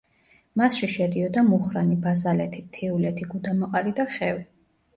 მასში შედიოდა მუხრანი, ბაზალეთი, მთიულეთი, გუდამაყარი და ხევი.